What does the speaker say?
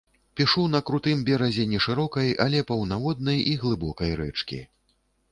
Пішу на крутым беразе нешырокай, але паўнаводнай і глыбокай рэчкі.